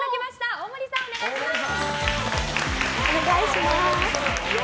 大森さん、お願いします。